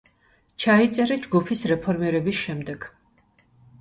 ჩაიწერა ჯგუფის რეფორმირების შემდეგ.